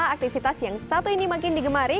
aktivitas yang satu ini makin digemari